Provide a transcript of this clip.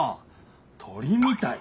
鳥みたい。